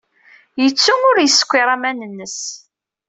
Yettu ur yeskiṛ axxam-nnes.